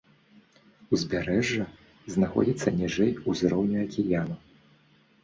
Узбярэжжа знаходзіцца ніжэй узроўню акіяну.